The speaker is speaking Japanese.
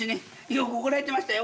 よく怒られてましたよ